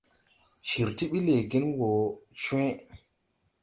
Cir ti ɓi lɛɛgen wɔ cwe.